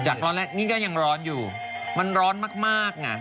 ร้อนแรกนี่ก็ยังร้อนอยู่มันร้อนมากไง